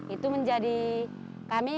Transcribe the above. itu menjadi kami